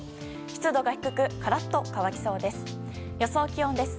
湿度が低くカラッと乾きそうです。